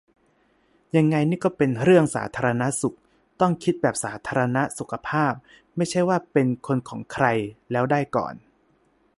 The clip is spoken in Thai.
ยังไงนี่ก็เป็นเรื่องสาธารณสุข ต้องคิดแบบสาธารณะ-สุขภาพ ไม่ใช่ว่าเป็นคนของใครแล้วได้ก่อน